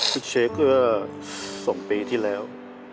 ฉันเช็คล่าสองปีที่แล้ว